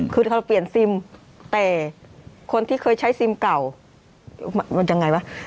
คือเขาเปลี่ยนซิมแต่คนที่เคยใช้ซิมเก่ามันยังไงวะ